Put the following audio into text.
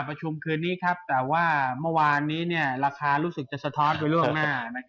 ประชุมคืนนี้แต่ว่าเมื่อวานนี้ราคารู้สึกจะสะทอดอยู่เรื่องหน้า